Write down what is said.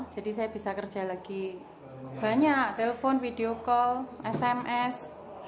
jadi saya bisa kerja lagi banyak telpon video call sms